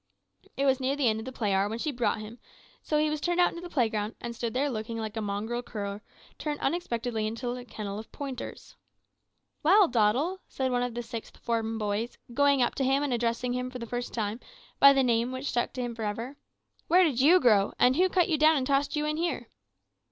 "It was near the end of play hour when she brought him, so he was turned out into the playground, and stood there looking like a mongrel cur turned unexpectedly into a kennel of pointers. "`Well, Doddle,' said one of the sixth form boys, going up to him and addressing him for the first time by the name which stuck to him ever after, `where did you grow; and who cut you down and tossed you in here?'